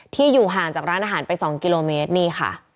อยู่ห่างจากร้านอาหารไป๒กิโลเมตรนี่ค่ะ